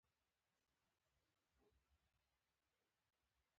استازي په آزادو او پټو ټاکنو ټاکل کیږي.